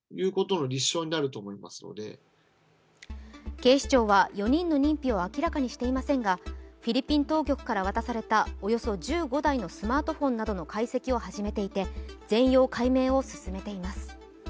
警視庁は４人の認否を明らかにしていませんがフィリピン当局から渡されたおよそ１５台のスマートフォンの解析を始めていて、全容解明を進めています。